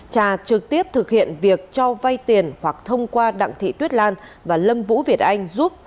cha trực tiếp thực hiện việc cho vay tiền hoặc thông qua đặng thị tuyết lan và lâm vũ việt anh giúp